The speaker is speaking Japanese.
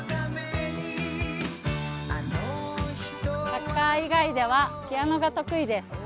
サッカー以外ではピアノが得意です。